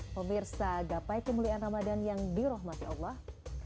pemirsa gapai kemuliaan ramadan yang dirahmati allah